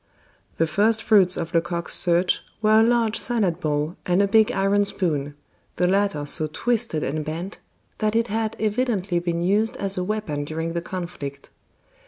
The first fruits of Lecoq's search were a large salad bowl and a big iron spoon, the latter so twisted and bent that it had evidently been used as a weapon during the conflict.